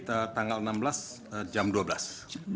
jadi tanggal enam belas jam dua belas